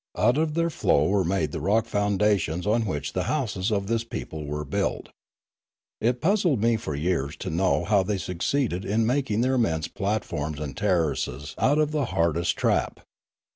Out of their flow were made the rock foundations on which the houses of this people were built. It puzzled me for years to know how they succeeded in making their immense platforms and terraces out of the hardest trap.